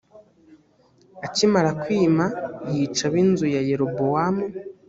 akimara kwima yica ab inzu ya yerobowamu